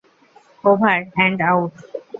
Over and out.